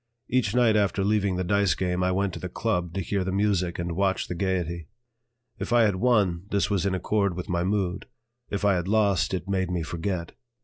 Each night after leaving the dice game I went to the "Club" to hear the music and watch the gaiety. If I had won, this was in accord with my mood; if I had lost, it made me forget.